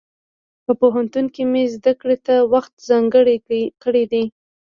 په پوهنتون کې مې زده کړې ته وخت ځانګړی کړی دی.